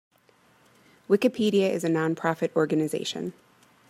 Wikipedia is a non-profit organization.